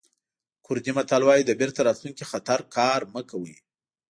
کوردي متل وایي د بېرته راتلونکي خطر کار مه کوئ.